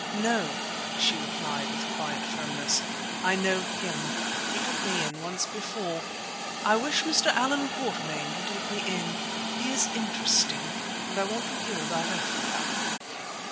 "No," she replied, with quiet firmness, "I know him; he took me in once before. I wish Mr. Allan Quatermain to take me in. He is interesting, and I want to hear about Africa."